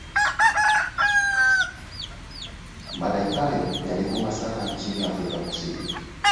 madai hayo yalivuma sana nchini afrika kusini